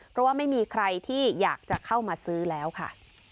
เพราะว่าไม่มีใครที่อยากจะเข้ามาซื้อแล้วค่ะ